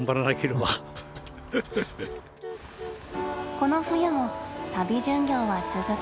この冬も旅巡業は続く。